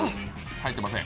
入ってません。